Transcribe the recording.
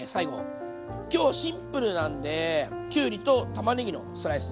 今日はシンプルなんできゅうりとたまねぎのスライス